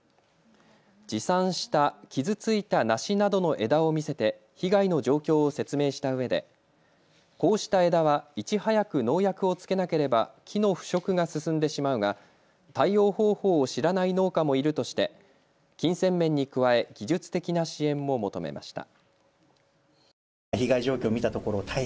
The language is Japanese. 持参した傷ついた梨などの枝を見せて被害の状況を説明したうえでこうした枝は、いち早く農薬をつけなければ木の腐食が進んでしまうが対応方法を知らない農家もいるとして金銭面に加え技術的な支援も求めました。